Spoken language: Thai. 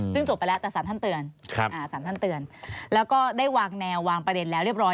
ซึ่งจบไปแล้วแต่สารท่านเตือนสารท่านเตือนแล้วก็ได้วางแนววางประเด็นแล้วเรียบร้อย